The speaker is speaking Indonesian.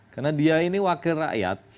karena dia ini wakil rakyat